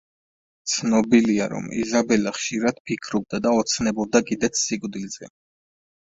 ცნობილია, რომ იზაბელა ხშირად ფიქრობდა და ოცნებობდა კიდეც სიკვდილზე.